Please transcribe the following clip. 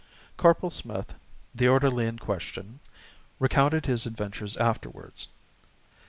Corporal Smith, the orderly in question, recounted his adventures afterwards.